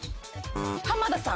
浜田さん。